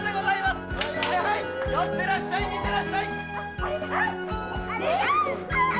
寄ってらっしゃい見てらっしゃい。